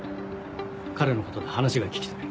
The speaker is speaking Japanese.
彼のことで話が聞きたい。